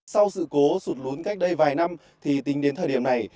sau sự cố sụt lún cách đây vài năm thì tính đến thời điểm này